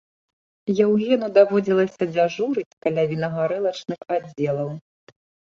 Яўгену даводзілася дзяжурыць каля вінагарэлачных аддзелаў.